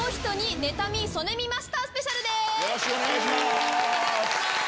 よろしくお願いします！